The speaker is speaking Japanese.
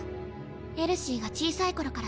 エルシーが小さい頃からね。